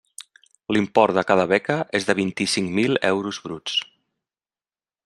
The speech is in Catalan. L'import de cada beca és de vint-i-cinc mil euros bruts.